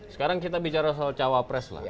sekarang kita bicara soal cawapres lah